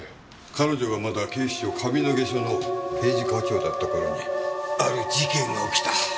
彼女がまだ警視庁上野毛署の刑事課長だった頃にある事件が起きた。